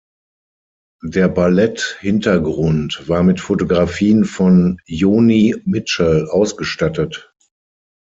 Der Ballett-Hintergrund war mit Fotografien von Joni Mitchell ausgestattet.